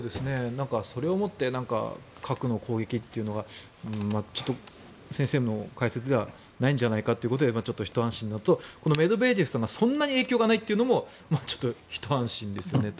それをもって核の攻撃というのがちょっと先生の解説ではないんじゃないかということでひと安心なのとこのメドベージェフさんがそんなに影響がないというのもひと安心ですよねと。